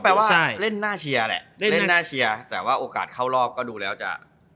ว่าเล่นน่าเชียร์แหละเล่นน่าเชียร์แต่ว่าโอกาสเข้ารอบก็ดูแล้วจะ